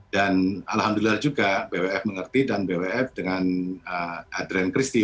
dan alhamdulillah juga bwf mengerti dan bwf dengan adrian christian